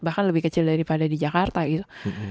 bahkan lebih kecil daripada di jakarta gitu